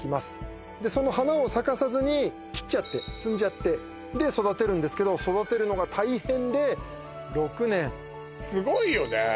不思議なでその花を咲かさずに切っちゃって摘んじゃってで育てるんですけど育てるのが大変で６年すごいよね